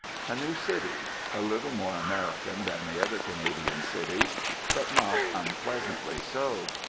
A new city; a little more American than the other Canadian cities, but not unpleasantly so.